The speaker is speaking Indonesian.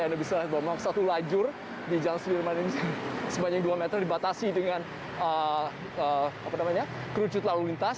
anda bisa lihat bahwa memang satu lajur di jalur sudirman ini sepanjang dua m dibatasi dengan kerucut lalu lintas